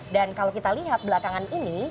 dan kalau kita lihat belakangan ini